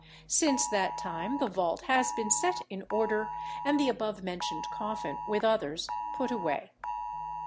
Since that time the vault has been set in order, and the above mentioned coffin, with others, put away.